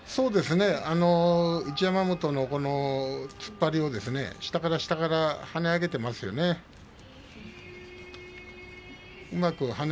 一山本の突っ張りを下から下から跳ね上げていますよね。